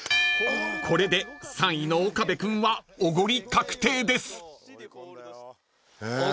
［これで３位の岡部君はおごり確定です］ＯＫ